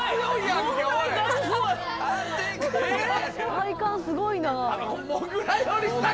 体幹すごいな。